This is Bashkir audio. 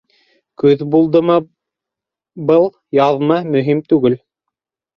Көҙ булдымы был, яҙмы, мөһим түгел.